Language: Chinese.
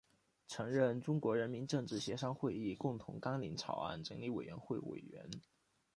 曾任中国人民政治协商会议共同纲领草案整理委员会委员。